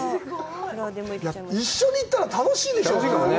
一緒に行ったら、楽しいでしょうね。